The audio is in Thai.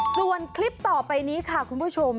ส่วนคลิปต่อไปนี้ค่ะคุณผู้ชม